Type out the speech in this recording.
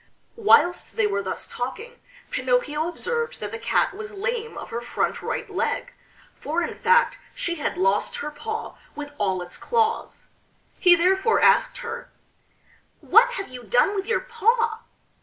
Whilst they were thus talking Pinocchio observed that the Cat was lame of her front right leg, for in fact she had lost her paw with all its claws. He therefore asked her: "What have you done with your paw!"